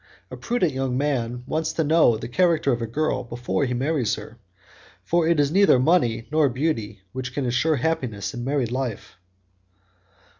A prudent young man wants to know the character of a girl before he marries her, for it is neither money nor beauty which can ensure happiness in married life."